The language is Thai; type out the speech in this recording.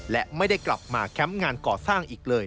และไม่ได้กลับมาแคมป์งานก่อสร้างอีกเลย